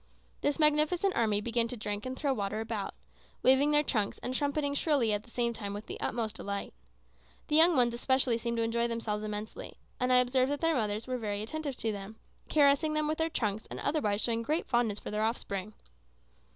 This magnificent army began to drink and throw water about, waving their trunks and trumpeting shrilly at the same time with the utmost delight. The young ones especially seemed enjoy themselves immensely, and I observed that their mothers were very attentive to them, caressing them with their trunks and otherwise showing great fondness for their offspring.